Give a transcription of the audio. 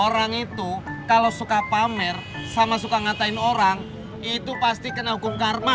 orang itu kalau suka pamer sama suka ngatain orang itu pasti kena hukum karma